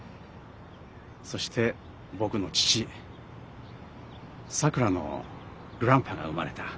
そして僕の父さくらのグランパが生まれた。